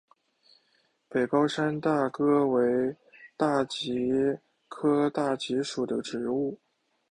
北高山大戟为大戟科大戟属的植物。